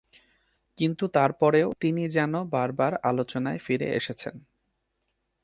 কিন্তু তারপরেও, তিনি যেন বার বার আলোচনায় ফিরে এসেছেন।